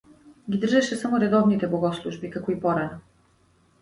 Ги држеше само редовните богослужби, како и порано.